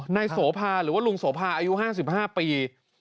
โสภาหรือว่าลุงโสภาอายุ๕๕ปี